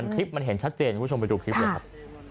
คลิปมันเห็นชัดเจนคุณผู้ชมไปดูคลิปเลยครับ